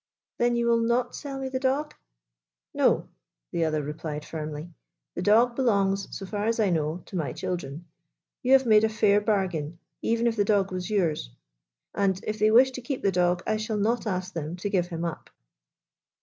" Then you will not sell me the dog ?"" No," the other replied firmly. " The dog belongs, so far as I know, to my children. You have made a fair bargain — even if the dog was yours, and, if they wish to keep the dog, I shall not ask them to give him up."